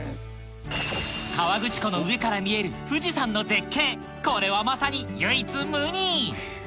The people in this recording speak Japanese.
河口湖の上から見える富士山の絶景これはまさに唯一無二！